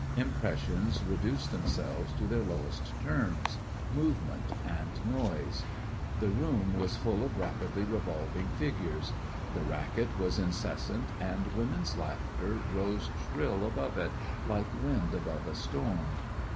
Impressions reduced themselves to their lowest terms movement and noise. The room was full of rapidly revolving figures. The racket was incessant, and women's laughter rose shrill above it, like wind above a storm.